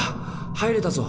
入れたぞ！